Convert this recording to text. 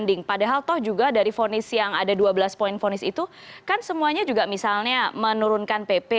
banding padahal toh juga dari vonis yang ada dua belas poin ponis itu kan semuanya juga misalnya menurunkan pp